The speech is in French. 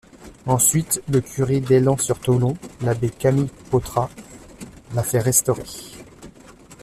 Ensuite, le curé d'Aillant-sur-Tholon, l'abbé Camille Pautrat, la fait restaurer.